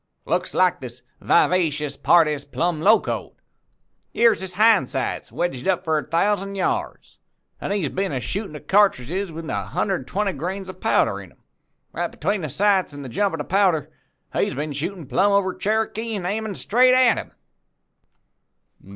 'Looks like this vivacious party's plumb locoed. Yere's his hind sights wedged up for a thousand yards, an' he's been a shootin' of cartridges with a hundred an' twenty grains of powder into 'em. Between the sights an' the jump of the powder, he's shootin' plumb over Cherokee an' aimin' straight at him.'